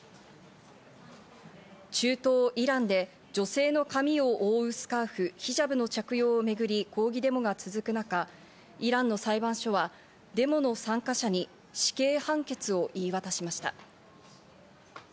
中東イランで女性の髪を覆うスカーフ・ヒジャブの着用をめぐり、抗議デモが続く中、イランの裁判所はデモの参加者に死刑判決を言い渡しました。